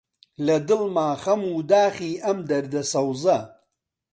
لە دڵما خەم و داخی ئەم دەردە سەوزە: